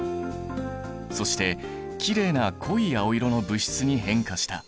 そしてきれいな濃い青色の物質に変化した。